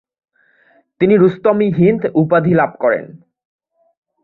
তিনি রুস্তম -ই-হিন্দ উপাধি লাভ করেন।